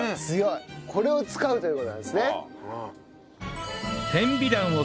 これを使うという事なんですね。